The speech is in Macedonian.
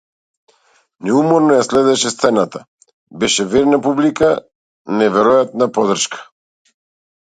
Неуморно ја следеше сцената, беше верна публика, неверојатна поддршка.